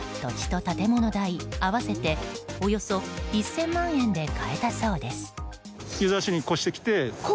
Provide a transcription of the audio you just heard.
土地と建物代合わせておよそ１０００万円で買えたそうです。